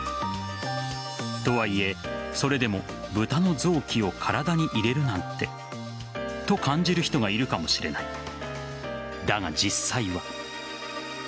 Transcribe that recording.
とはいえ、それでもブタの臓器を体に入れるなんてと感じる人はいるかもしれない。